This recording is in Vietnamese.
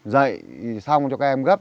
dậy xong cho các em gấp